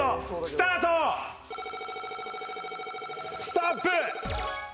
ストップ！